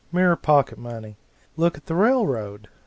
Mere pocket money! Look at the railroad!